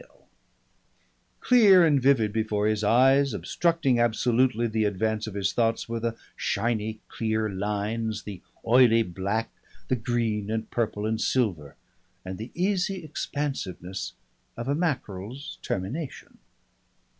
_" Clear and vivid before his eyes, obstructing absolutely the advance of his thoughts, were the shiny clear lines, the oily black, the green and purple and silver, and the easy expansiveness of a mackerel's termination.